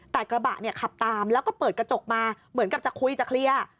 แต่กระบะเนี่ยขับตามแล้วก็เปิดกระจกมาเหมือนกับจะคุยจะเคลียร์